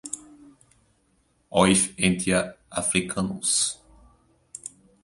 Ouf(entia) Africanus.